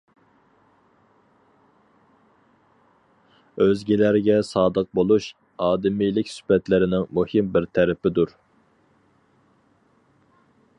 ئۆزگىلەرگە سادىق بولۇش ئادىمىيلىك سۈپەتلىرىنىڭ مۇھىم بىر تەرىپىدۇر.